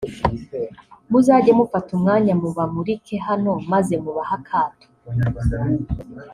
muzajye mufata umwanya mubamurike hano maze mubahe akato